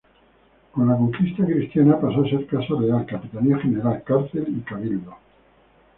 Con la conquista cristiana pasó a ser casa real, capitanía general, cárcel y cabildo.